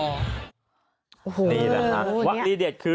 นี่แหละค่ะแบบที่เดียวคือ